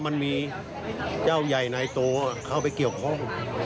มันมีเจ้าใหญ่นายโตเข้าไปเกี่ยวข้อง